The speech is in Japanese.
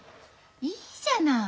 いいじゃない。